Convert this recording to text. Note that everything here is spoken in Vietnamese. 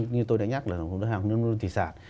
như tôi đã nhắc là hàng nông lâm thị sản